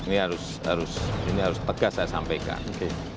ini harus tegas saya sampaikan